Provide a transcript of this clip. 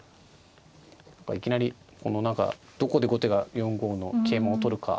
いきなりこの何かどこで後手が４五の桂馬を取るか。